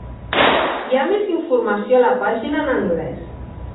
Hi ha més informació a la pàgina en Anglès.